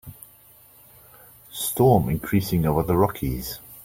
Storm increasing over the Rockies.